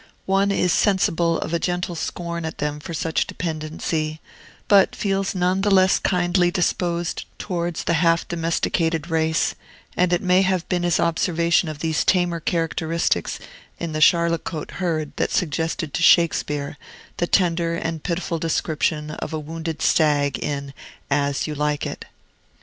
One is sensible of a gentle scorn at them for such dependency, but feels none the less kindly disposed towards the half domesticated race; and it may have been his observation of these tamer characteristics in the Charlecote herd that suggested to Shakespeare the tender and pitiful description of a wounded stag, in "As You Like It."